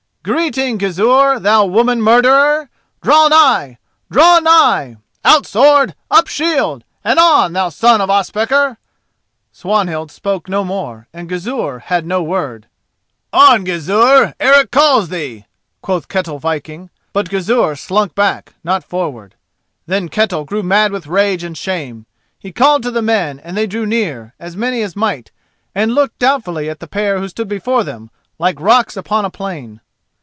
Greeting, Gizur, thou woman murderer! Draw nigh! draw nigh! Out sword! up shield! and on, thou son of Ospakar!" Swanhild spoke no more, and Gizur had no word. "On, Gizur! Eric calls thee," quoth Ketel Viking; but Gizur slunk back, not forward. Then Ketel grew mad with rage and shame. He called to the men, and they drew near, as many as might, and looked doubtfully at the pair who stood before them like rocks upon a plain.